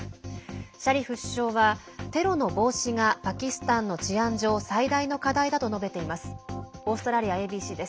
シャリフ首相はテロの防止がパキスタンの治安上最大の課題だと述べています。